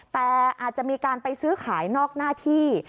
แต่อาจจะมีการไปซื้อขายนอกหน้าที่